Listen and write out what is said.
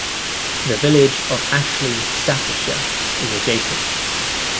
The village of Ashley, Staffordshire is adjacent.